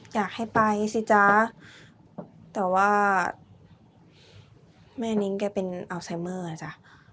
อยากให้ไปสิจ๊ะแต่ว่าแม่นิ้งแกเป็นอัลไซเมอร์นะจ๊ะ